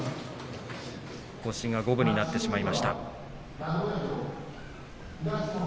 星が五分になってしまいました。